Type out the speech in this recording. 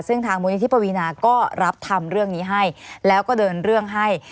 ซึ่งทางมูลนิธิปวีนาก็รับทำเรื่องนี้ให้แล้วก็เดินเรื่องให้